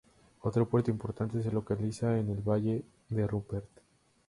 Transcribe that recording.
Otro puerto importante se localiza en el Valle de Rupert.